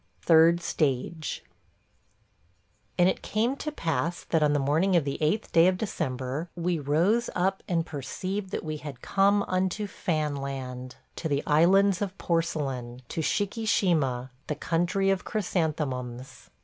THIRD STAGE AND it came to pass that on the morning of the 8th day of December we rose up and perceived that we had come unto Fan land ... to the Islands of Porcelain ... to Shikishima – the Country of Chrysanthemums.